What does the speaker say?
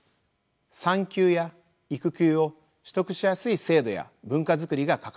産休や育休を取得しやすい制度や文化づくりが欠かせません。